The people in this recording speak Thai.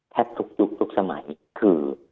แทบทุกยุคทุกสมัยคือ